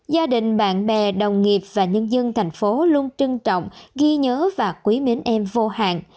gia đình bạn bè đồng nghiệp và nhân dân thành phố luôn trân trọng ghi nhớ và quý mến em vô hạn